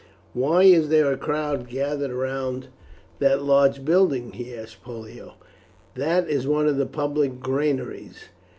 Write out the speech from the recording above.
"Why is there a crowd gathered round that large building?" he asked Pollio. "That is one of the public granaries.